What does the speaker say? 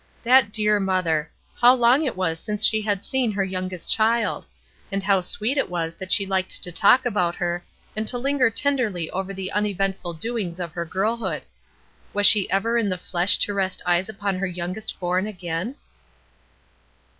That dear mother ! how long it was since she had seen her youngest child ! and how sweet it was that she Hked to talk about her, and to linger tenderly over the uneventful doings of her girlhood. Was she never in the flesh to rest eyes upon her youngest born again?